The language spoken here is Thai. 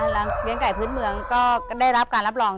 เลี้ยงไก่พื้นเมืองก็ได้รับการรับรอง